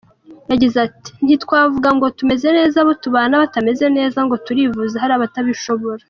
Yagize ati “Ntitwavuga ngo tumeze neza abo tubana batameze neza, ngo turivuza hari abatabishobora.